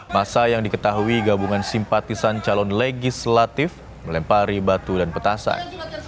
masa yang diketahui gabungan simpatisan calon legislatif melempari batu dan petasan